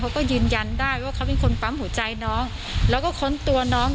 เขาก็ยืนยันได้ว่าเขาเป็นคนปั๊มหัวใจน้องแล้วก็ค้นตัวน้อง